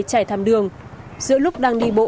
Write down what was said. chạy tham đường giữa lúc đang đi bộ